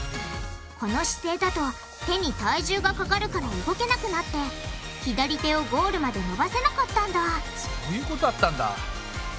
この姿勢だと手に体重がかかるから動けなくなって左手をゴールまで伸ばせなかったんだそういうことだったんだ。